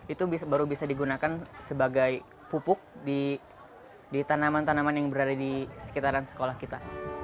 itu baru bisa digunakan sebagai pupuk di tanaman tanaman yang berada di sekitaran sekolah kita